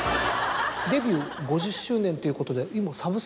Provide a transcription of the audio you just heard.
デビュー５０周年ということで。